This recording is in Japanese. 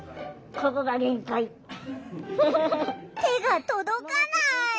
手が届かない。